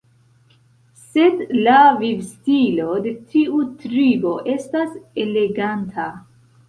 Sed la vivstilo de tiu tribo estas eleganta.